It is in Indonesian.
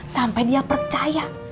sampai dia percaya